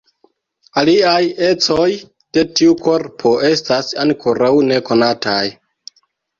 Aliaj ecoj de tiu korpo estas ankoraŭ nekonataj.